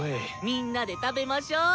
みんなで食べましょう。